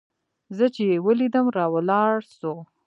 زه چې يې وليدلم راولاړ سو.